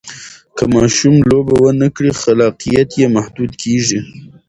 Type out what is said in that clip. که ماشوم لوبه ونه کړي، خلاقیت یې محدود کېږي.